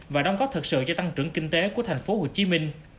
và đóng góp thật sự cho tăng trưởng kinh tế của thành phố hồ chí minh